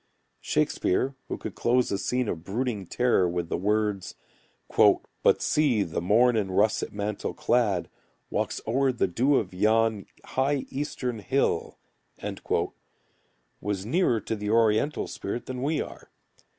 Shakespeare, who could close a scene of brooding terror with the words: "But see, the morn in russet mantle clad, Walks o'er the dew of yon high eastern hill" was nearer to the oriental spirit than we are.